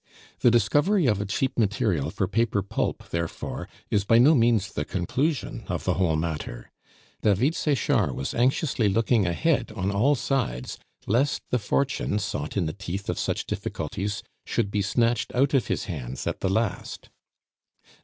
The discovery of a cheap material for paper pulp, therefore, is by no means the conclusion of the whole matter. David Sechard was anxiously looking ahead on all sides lest the fortune sought in the teeth of such difficulties should be snatched out of his hands at the last.